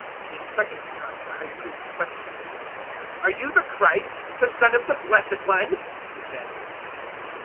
A second time the High Priest questioned Him. "Are you the Christ, the Son of the Blessed One?" he said.